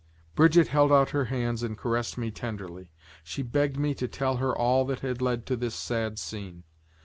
Brigitte held out her hands and caressed me tenderly. She begged me to tell her all that had led to this sad scene.